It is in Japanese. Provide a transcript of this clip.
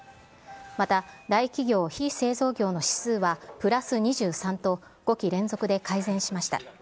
また、大企業・非製造業の指数は、プラス２３と、５期連続で改善しました。